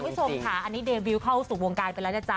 คุณผู้ชมค่ะอันนี้เดบิลเข้าสู่วงการไปแล้วนะจ๊